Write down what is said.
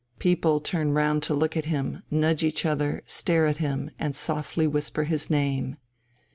People turn round to look at him, nudge each other, stare at him, and softly whisper his name....